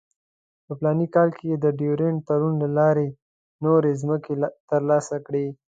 په فلاني کال کې یې د ډیورنډ تړون له لارې نورې مځکې ترلاسه کړې.